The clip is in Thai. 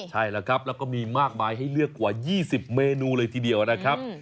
ใช่แล้วครับแล้วก็มีมากมายให้เลือกกว่า๒๐เมนูเลยทีเดียวนะครับ